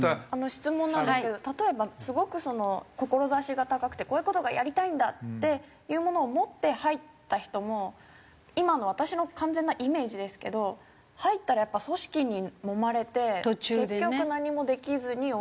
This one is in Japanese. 質問なんですけど例えばすごく志が高くてこういう事がやりたいんだっていうものを持って入った人も今の私の完全なイメージですけど入ったらやっぱ組織にもまれて結局何もできずに終わっちゃって。